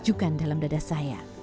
dekat belakang film saya